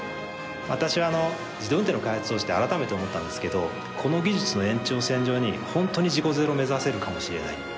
私あの自動運転の開発をして改めて思ったんですけどこの技術の延長線上に本当に事故ゼロ目指せるかもしれないって